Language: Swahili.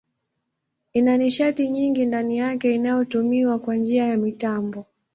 Ina nishati nyingi ndani yake inayotumiwa kwa njia ya mitambo.